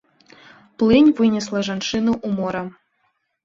Плынь вынесла жанчыну ў мора.